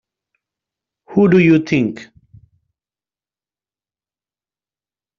Who do you think?